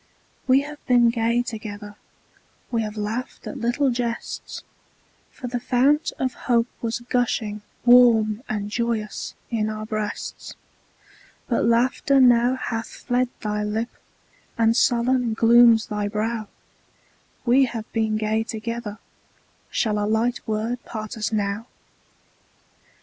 We have been gay together; We have laughed at little jests; For the fount of hope was gushing Warm and joyous in our breasts, But laughter now hath fled thy lip, And sullen glooms thy brow; We have been gay together, Shall a light word part us now?